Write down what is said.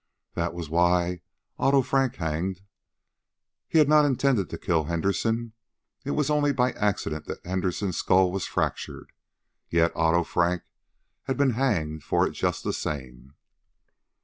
That was why Otto Frank hanged. He had not intended to kill Henderson. It was only by accident that Henderson's skull was fractured. Yet Otto Frank had been hanged for it just the same.